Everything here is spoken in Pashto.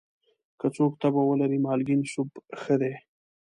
که څوک تبه ولري، مالګین سوپ ښه دی.